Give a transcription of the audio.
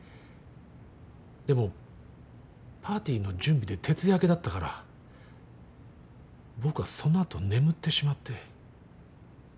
でもパーティーの準備で徹夜明けだったから僕はその後眠ってしまって。